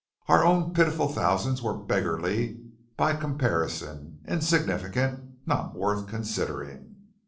Our own pitiful thousands were beggarly by comparison, insignificant, not worth considering.